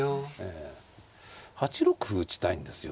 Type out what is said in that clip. ８六歩打ちたいんですよ。